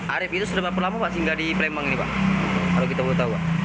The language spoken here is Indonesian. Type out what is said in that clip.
arief itu sudah berapa lama masih tidak di plemang